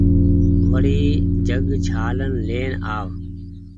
وڙي جگ ڇآلين لين آو